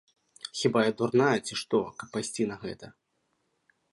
Хіба я дурная, ці што, каб пайсці на гэта.